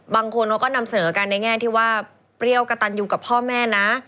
บางคนเขาก็นำเสนอกันในแง่ที่ว่าเปรี้ยวกระตันอยู่กับพ่อแม่นะ